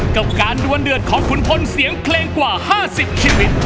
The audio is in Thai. เก่าการด่วนเดือดของคุณพลเสียงเคลงกว่า๕๐ครีมมิตร